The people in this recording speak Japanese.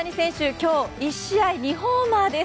今日、１試合２ホーマーです。